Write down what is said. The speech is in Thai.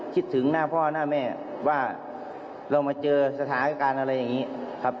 คิดถึงหน้าพ่อหน้าแม่ว่าเรามาเจอสถานการณ์อะไรอย่างนี้ครับ